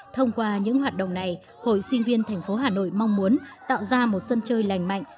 thông qua những hoạt động này hội sinh viên thành phố hà nội mong muốn tạo ra một sân chơi lành mạnh